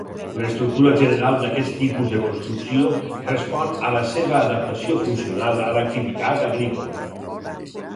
L'estructura general d'aquest tipus de construcció respon a la seva adaptació funcional a l'activitat agrícola.